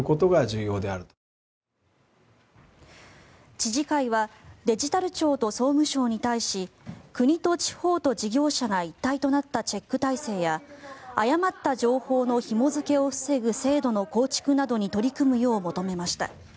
知事会はデジタル庁と総務省に対し国と地方と事業者が一体となったチェック体制や誤った情報のひも付けを防ぐ制度の構築などに取り組むよう求めました。